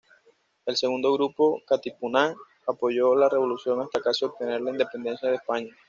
El segundo grupo, Katipunan, apoyó la revolución hasta casi obtener la independencia de España.